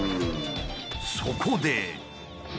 そこで。